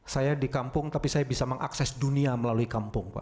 saya di kampung tapi saya bisa mengakses dunia melalui kampung pak